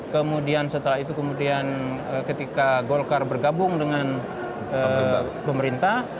kemudian setelah itu kemudian ketika golkar bergabung dengan pemerintah